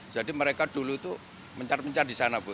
jadi mereka dulu itu mencar mencar di sana bu